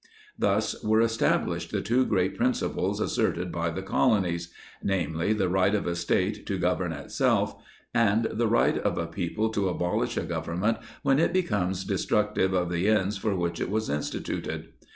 Thus were established the two great principles asserted by the Colonies, namely: the right of a State to govern itself; and the right of a people to abolish a Government when it becomes destructive of the ends for which it was instituted.